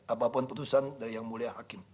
apapun putusan dari yang mulia hakim